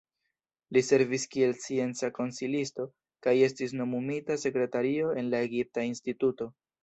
Li servis kiel scienca konsilisto, kaj estis nomumita sekretario en la Egipta Instituto.